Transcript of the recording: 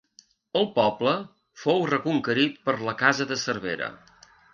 El poble fou reconquerit per la casa de Cervera.